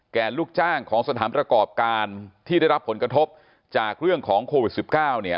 ลูกจ้างของสถานประกอบการที่ได้รับผลกระทบจากเรื่องของโควิด๑๙เนี่ย